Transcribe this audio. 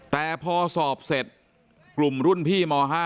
แต่พอสอบเสร็จกลุ่มรุ่นพี่ม๕